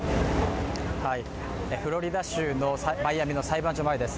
フロリダ州のマイアミの裁判所前です。